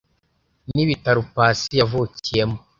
Nibitaro Pacy yavukiyemo.